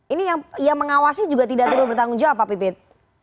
ini yang mengawasi juga tidak terlalu bertanggung jawab pak pipit